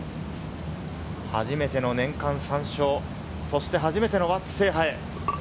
初めての年間３勝、そして初めての輪厚制覇へ。